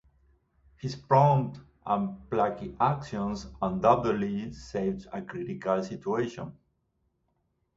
His prompt and plucky action undoubtedly saved a critical situation.